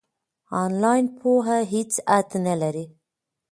آنلاین پوهه هیڅ حد نلري.